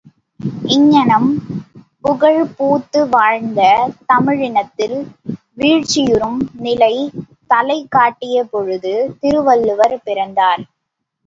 இங்ஙனம் புகழ்பூத்து வாழ்ந்த தமிழனத்தில் வீழ்ச்சியுறும் நிலை தலை காட்டிய பொழுது திருவள்ளுவர் பிறந்தார்.